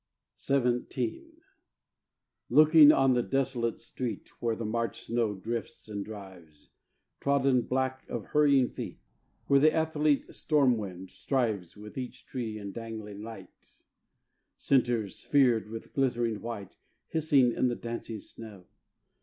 XVII. Looking on the desolate street, Where the March snow drifts and drives, Trodden black of hurrying feet, Where the athlete storm wind strives With each tree and dangling light, Centers, sphered with glittering white, Hissing in the dancing snow